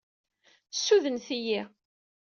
Ssudnet-iyi.